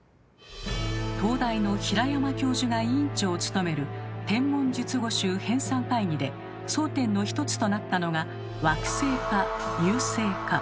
東大の平山教授が委員長を務める「『天文術語集』編纂会議」で争点の一つとなったのが「惑星」か「遊星」か。